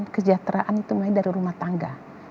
kesejahteraan itu mulai dari rumah tangga